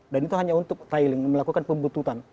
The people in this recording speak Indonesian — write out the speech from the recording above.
dan itu hanya untuk tiling melakukan pembutuhan